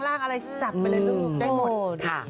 ร่างอะไรจัดไปอะไรนแบบนึงไม่เลยโอ้ย